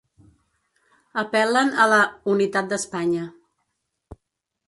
Apel·len a la ‘unitat d’Espanya’